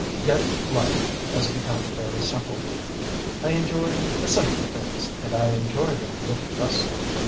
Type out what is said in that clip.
Yet life has become very simple. I enjoy the simple things and I enjoy them with gusto.